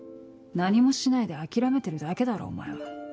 何もしないで諦めてるだけだろお前は。